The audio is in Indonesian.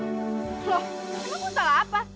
loh enggak pun salah apa